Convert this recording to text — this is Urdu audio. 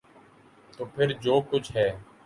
تو پھر جو کچھ ہے۔